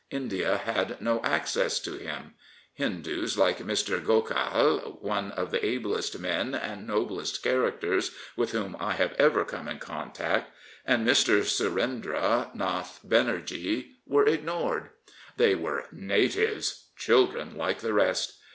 India had no access to him. Hindoos like Mr. Gokhale, one of the ablest men and noblest characters with whom I have ever come in contact, and Mr. Surendra Nath Banerjee, were ignored. They were " natives "— children like the rest.